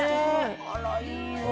あらいいわ。